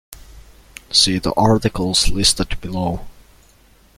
See the articles listed below.